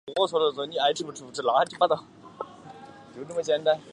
天行健，君子以不强自……自强不息。